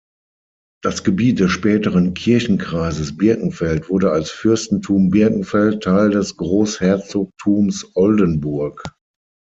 Das Gebiet des späteren Kirchenkreises Birkenfeld wurde als Fürstentum Birkenfeld Teil des Großherzogtums Oldenburg.